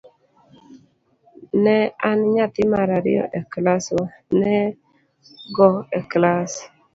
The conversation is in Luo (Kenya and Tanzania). Ne an nyathi mar ariyo e klaswa, ne - go e klas.